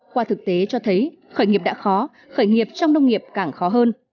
qua thực tế cho thấy khởi nghiệp đã khó khởi nghiệp trong nông nghiệp càng khó hơn